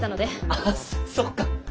あっそっか！